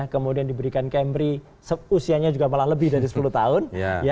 kemudian diberikan cambry usianya juga malah lebih dari sepuluh tahun